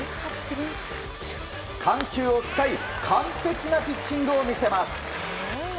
緩急を使い完璧なピッチングを見せます。